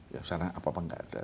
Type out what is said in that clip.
ya sana apa apa nggak ada